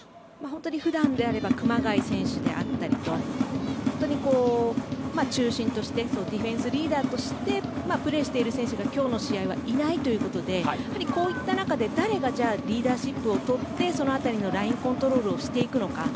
本当に普段であれば熊谷選手であったりと中心としてディフェンスリーダーとしてプレーしている選手が今日の試合はいないということでこういった中で誰がリーダーシップをとってその辺りのラインコントロールをしていくのか。